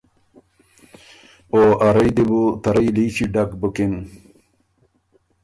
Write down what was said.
او اَ رئ دی بُو ته رئ لیچي ډک بُکِن۔